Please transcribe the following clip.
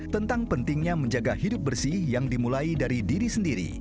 tentang pentingnya menjaga hidup bersih yang dimulai dari diri sendiri